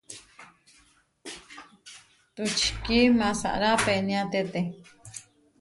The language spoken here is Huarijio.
Tučikí maʼsára peniáteʼte.